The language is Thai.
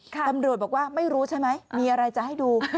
ตำรวจบอกว่าไม่รู้ใช่ไหมมีอะไรจะให้ดู